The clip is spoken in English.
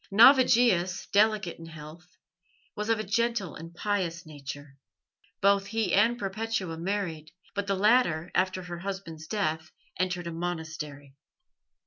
Navigius, delicate in health, was of a gentle and pious nature. Both he and Perpetua married, but the latter after her husband's death entered a monastery.